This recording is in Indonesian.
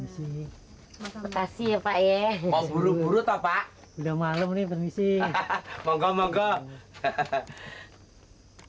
siapak ya mau buru buru tapak udah malem ini permisi monggo monggo hahaha